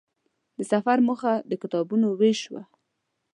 د سفر موخه د کتابونو وېش وه.